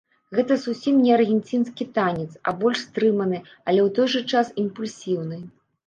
Гэта зусім не аргенцінскі танец, а больш стрыманы, але ў той жа час імпульсіўны.